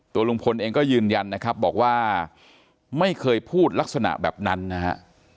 ลุงพลเองก็ยืนยันนะครับบอกว่าไม่เคยพูดลักษณะแบบนั้นนะฮะ